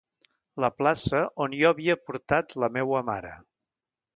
La plaça on jo havia portat la meua mare.